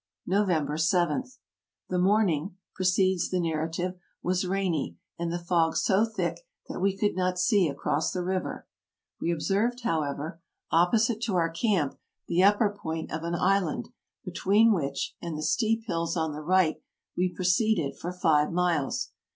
"November J. — The morning," proceeds the narra tive, " was rainy, anH the fog so thick that we could not see across the river. We observed, however, opposite to our 152 TRAVELERS AND EXPLORERS camp, the upper point of an island, between which and the steep hills on the right we proceeded for five miles.